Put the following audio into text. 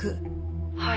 「はい。